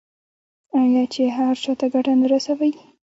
آیا چې هر چا ته ګټه نه رسوي؟